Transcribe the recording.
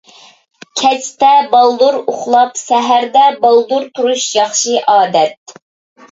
كەچتە بالدۇر ئۇخلاپ، سەھەردە بالدۇر تۇرۇش — ياخشى ئادەت.